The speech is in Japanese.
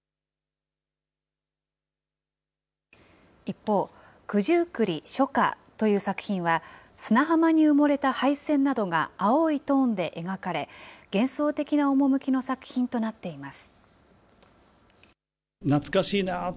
一方、九十九里初夏という作品は、砂浜に埋もれた廃船などが青いトーンで描かれ、幻想的な趣の作品となっています。